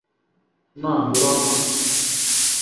না, ঘোরাও, না!